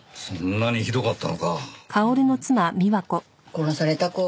殺された子